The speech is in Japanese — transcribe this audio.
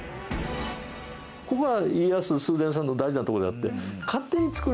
ここが家康と崇伝さんの大事なとこであって。